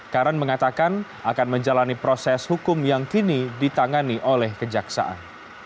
karen mengatakan akan menjalani proses hukum yang kini ditangani oleh kejaksaan